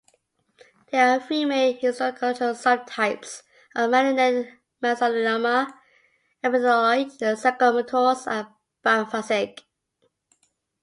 There are three main histological subtypes of malignant mesothelioma: epithelioid, sarcomatous, and biphasic.